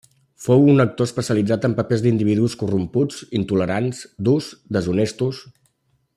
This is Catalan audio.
Fou un actor especialitzat en papers d'individus corromputs, intolerants, durs, deshonestos.